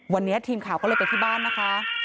วันนี้ทีมข่าวก็เลยไปที่บ้านนะคะ